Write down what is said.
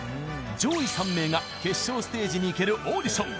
上位３名が決勝ステージに行けるオーディション。